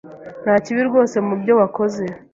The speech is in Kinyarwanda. Nta kibi rwose mubyo wakoze.